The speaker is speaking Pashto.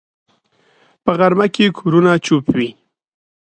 په غرمه کې کورونه چوپ وي